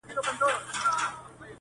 گراني اتيا زره صفاته دې په خال کي سته,